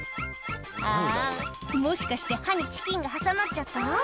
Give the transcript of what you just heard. あぁもしかして歯にチキンが挟まっちゃった？